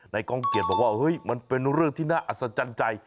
กล้องเกียจบอกว่าเฮ้ยมันเป็นเรื่องที่น่าอัศจรรย์ใจ